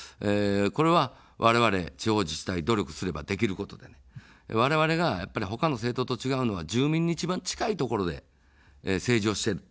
これはわれわれ地方自治体、努力すればできることで、われわれがほかの政党と違うのは住民に一番近いところで政治をしている。